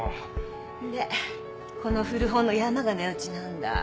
でこの古本の山が値打ちなんだ。